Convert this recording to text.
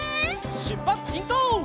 しゅっぱつしんこう！